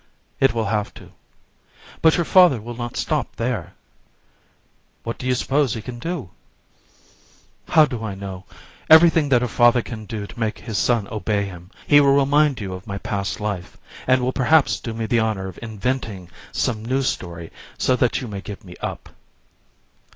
"It will have to." "But your father will not stop there." "What do you suppose he can do?" "How do I know? Everything that a father can do to make his son obey him. He will remind you of my past life, and will perhaps do me the honour of inventing some new story, so that you may give me up."